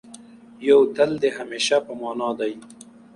یو تل د همېشه په مانا دی.